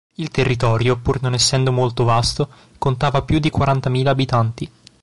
Il territorio, pur non essendo molto vasto, contava più di quarantamila abitanti.